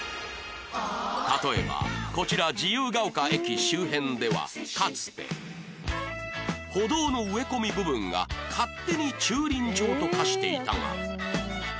例えばこちら自由が丘駅周辺ではかつて歩道の植え込み部分が勝手に駐輪場と化していたが